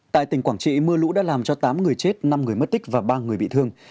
tại tỉnh quảng trị mưa lũ đã làm cho tám người chết năm người mất tích và ba người bị thương